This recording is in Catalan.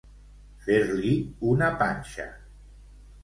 Fer-li una panxa.